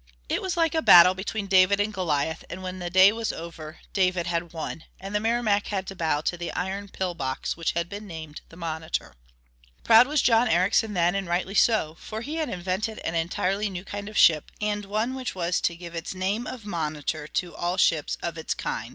It was like a battle between David and Goliath, and when the day was over David had won, and the Merrimac had to bow to the iron "pill box" which had been named the Monitor. Proud was John Ericsson then, and rightly so, for he had invented an entirely new kind of ship, and one which was to give its name of Monitor to all ships of its kind.